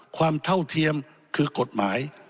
เท่าเทียมคือกฎหมาย